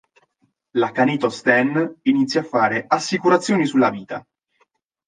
L'accanito Stan inizia a fare assicurazioni sulla vita.